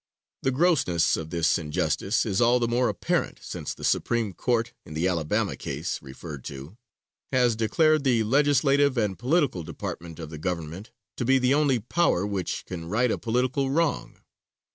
The grossness of this injustice is all the more apparent since the Supreme Court, in the Alabama case referred to, has declared the legislative and political department of the government to be the only power which can right a political wrong.